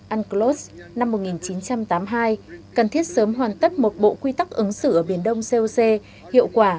unclos năm một nghìn chín trăm tám mươi hai cần thiết sớm hoàn tất một bộ quy tắc ứng xử ở biển đông coc hiệu quả